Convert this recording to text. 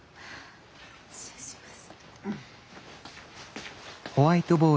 失礼します。